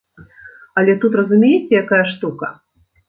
Але тут разумееце якая штука?